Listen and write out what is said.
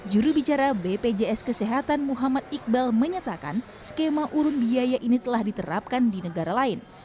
jurubicara bpjs kesehatan muhammad iqbal menyatakan skema urun biaya ini telah diterapkan di negara lain